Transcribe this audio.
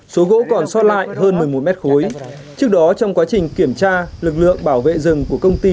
số gỗ còn sót lại hơn một mươi một mét khối trước đó trong quá trình kiểm tra lực lượng bảo vệ rừng của công ty